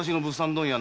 問屋